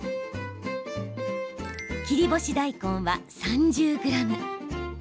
切り干し大根は３０ｇ。